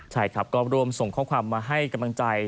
ใช่ครับก็ร่วมส่งข้อความมาให้กำลังใจ